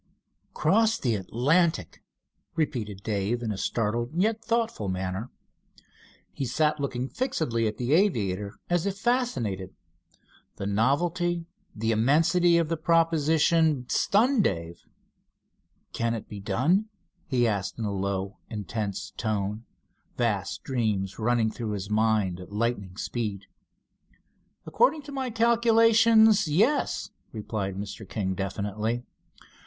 "Cross the Atlantic!" repeated Dave, in a startled yet thoughtful manner. He sat looking fixedly at the aviator as if fascinated. The novelty, the immensity of the proposition, stunned Dave. "Can it be done?" he asked in a low, intense tone, vast dreams running through his mind a lightning speed. "According to my calculations, yes," replied Mr. King definitely.